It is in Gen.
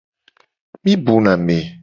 Mi bu na me.